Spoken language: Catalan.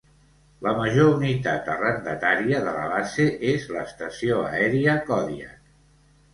La major unitat arrendatària de la base és l'Estació Aèria Kodiak.